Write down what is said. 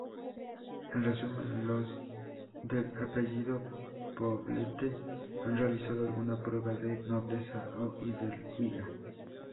En resumen, los del apellido Poblete han realizado alguna prueba de nobleza o hidalguía.